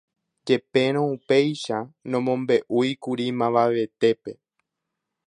Jepérõ upéicha nomombe'úikuri mavavetépe.